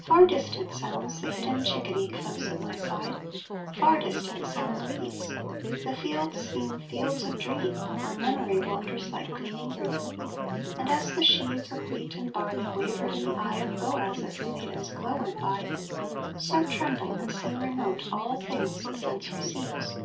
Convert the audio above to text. Far distant sounds the hidden chickadee Close at my side; far distant sound the leaves; The fields seem fields of dream, where Memory Wanders like gleaning Ruth; and as the sheaves Of wheat and barley wavered in the eye Of Boaz as the maiden's glow went by, So tremble and seem remote all things the sense receives.